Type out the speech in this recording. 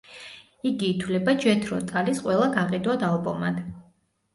იგი ითვლება ჯეთრო ტალის ყველა გაყიდვად ალბომად.